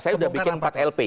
saya sudah bikin empat lp